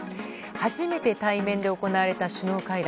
初めて対面で行われた首脳会談。